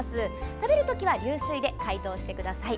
食べる時は流水で解凍してください。